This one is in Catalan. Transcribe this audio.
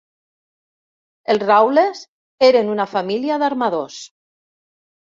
Els Rawles eren una família d'armadors.